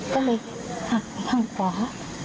ก็เลยหักข้างขวา